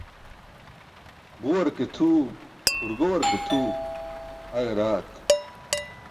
Ġuwar ke tʰuu, hurgowar ke tʰuu, aẏa rat.